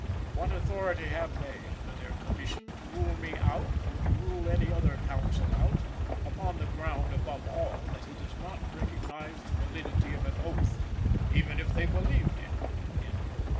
What authority have they, under their commission, to rule me out, or to rule any other counsel out, upon the ground, above all, that he does not recognize the validity of an oath, even if they believed it?"